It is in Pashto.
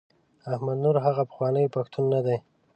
احمد نور هغه پخوانی پښتون نه دی.